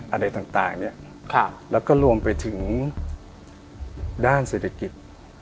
อะไรต่างเนี่ยแล้วก็รวมไปถึงด้านเศรษฐกิจ